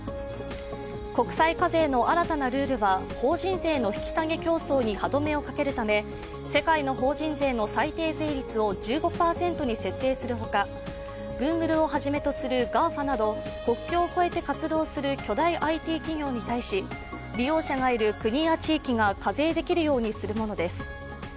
国際課税の新たなルールは法人税の引き下げ競争に歯止めをかけるため世界の法人税の最低税率を１５％に設定するほかＧｏｏｇｌｅをはじめとするＧＡＦＡなど、国境を越えて活躍する巨大ＩＴ企業に対し、利用者がいる国や地域に課税できるようにするものです。